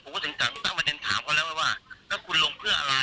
ผมก็ถึงตั้งประเทศถามเขาแล้วว่าถ้าคุณลงเพื่ออะไร